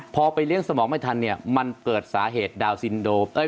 พอไปเลี้ยงสมองไม่ทันเนี่ยมันเกิดสาเหตุดาวนซินโดม